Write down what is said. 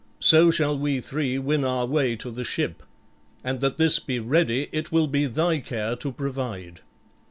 So shall we three win our way to the ship. And that this be ready it will be thy care to provide."